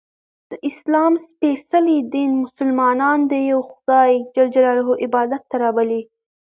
د اسلام څپېڅلي دین ملسلمانان د یوه خدایﷻ عبادت ته رابللي